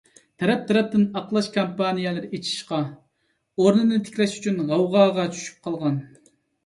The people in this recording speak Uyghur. تەرەپ - تەرەپتىن ئاقلاش كامپانىيەلىرى ئېچىشقا، ئورنىنى تىكلەش ئۈچۈن غەۋغاغا چۈشۈپ قالغان.